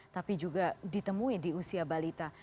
tapi juga ditemui di usia balita